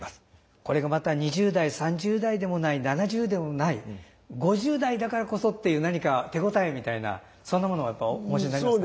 これがまた２０代３０代でもない７０でもない５０代だからこそっていう何か手応えみたいなそんなものはやっぱりお持ちになりますか。